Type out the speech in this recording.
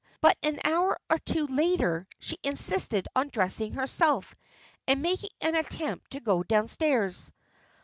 But an hour or two later she insisted on dressing herself, and making an attempt to go downstairs.